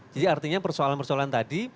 jadi artinya persoalan persoalan tadi